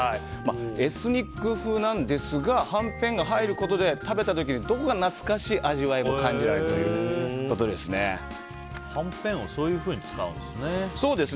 エスニック風なんですがはんぺんが入ることで食べた時にどこか懐かしい味わいをはんぺんをそういうふうに使うんですね。